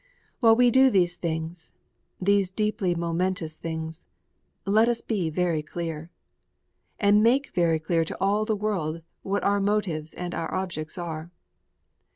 While we do these things, these deeply momentous things, let us be very clear, and make very clear to all the world what our motives and our objects are.